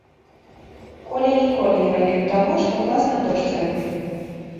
Коля ніколі не рабіў таго, што клас на дошцы рабіў.